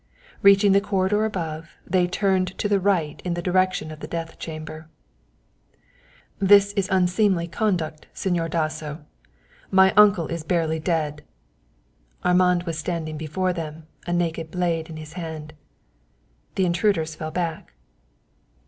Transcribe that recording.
Reaching the corridor above, they turned to the right in the direction of the death chamber. "This is unseemly conduct, Señor Dasso. My uncle is barely dead." Armand was standing before them, a naked blade in his hand. The intruders fell back.